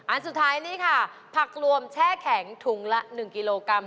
อันสุดท้ายนี่ค่ะผักรวมแช่แข็งถุงละ๑กิโลกรัม